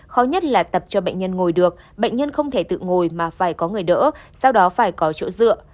khó nhất là tập cho bệnh nhân ngồi được bệnh nhân không thể tự ngồi mà phải có người đỡ sau đó phải có chỗ dựa